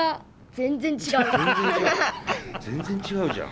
全然違うじゃん。